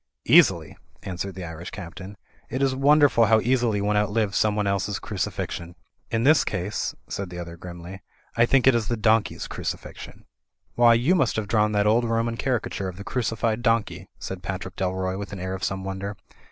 "Easily," answered the Irish Captain. "It is won derful how easily one outlives someone else's cruci fixion." "In this case," said the other grimly, "I think it is the donkey's crucifixion." "Why, you must have drawn that old Roman cari cature of the crucified donkey," said Patrick Dalroy, with an air of some wonder.